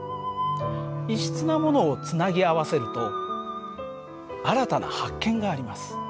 異質なものをつなぎ合わせると新たな発見があります。